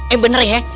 eh bener ya